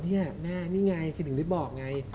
นี่แม่นี่ไงคือถึงได้บอกไง